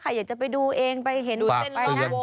ใครอยากจะไปดูเองไปเห็นไปนะ